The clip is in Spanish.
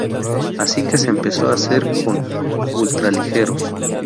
Así que se empezó a hacer con ultraligeros.